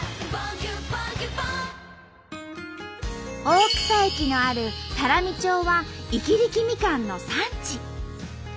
大草駅のある多良見町は伊木力みかんの産地。